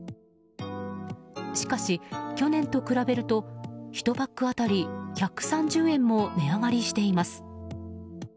しかし去年と比べると１パック当たり１３０円も値上がりしています。